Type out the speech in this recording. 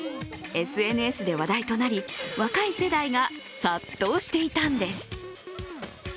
ＳＮＳで話題となり、若い世代が殺到していたんです。